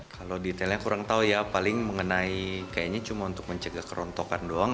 kalau detailnya kurang tahu ya paling mengenai kayaknya cuma untuk mencegah kerontokan doang